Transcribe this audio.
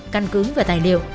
căn cứu và tài liệu